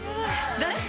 誰？